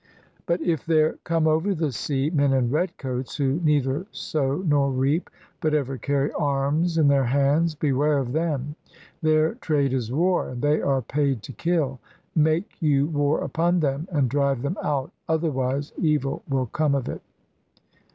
"But if there come over the sea men in red coats, who neither sow nor reap, but ever carry arms in their hands, beware of them. Their trade is war, and they are paid to kill. Make you war upon them and drive them out. Otherwise evil will come of it.